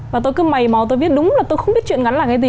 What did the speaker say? và tôi cứ mày mò tôi viết đúng là tôi không biết chuyện ngắn là cái gì